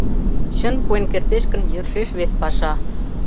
Чын пуэн кертеш гын, йӧршеш вес паша.